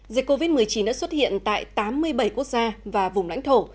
dịch covid một mươi chín đã xuất hiện tại tám mươi bảy quốc gia và vùng lãnh thổ